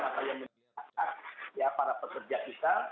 apa yang dikatakan para pekerja